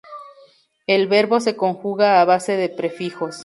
El verbo se conjuga a base de prefijos.